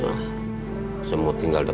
saya mau tinggal di sini